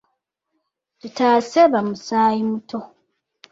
Tutaase bamusaaayi muto.